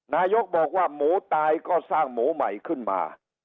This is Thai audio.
นายกบอกว่าหมูตายก็สร้างหมูใหม่ขึ้นมา